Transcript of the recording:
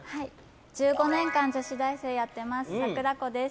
１５年間、女子大生やってますさくらこです。